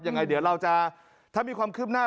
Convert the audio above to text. ยังไงเดี๋ยวเราจะถ้ามีความคืบหน้า